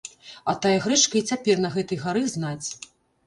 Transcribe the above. А тая грэчка і цяпер на гэтай гары знаць.